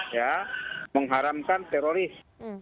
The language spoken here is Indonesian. ya mengharamkan teroris